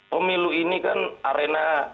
pemilu ini kan arena